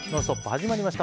始まりました。